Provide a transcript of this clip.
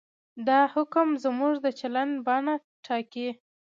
دا حکم زموږ د چلند بڼه ټاکي.